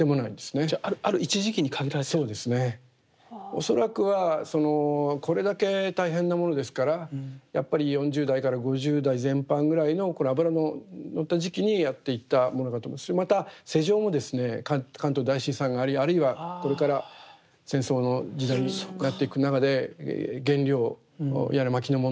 恐らくはこれだけ大変なものですからやっぱり４０代から５０代前半ぐらいの頃脂の乗った時期にやっていったものだと思いますしまた世情もですね関東大震災がありあるいはこれから戦争の時代になっていく中で原料やら薪の問題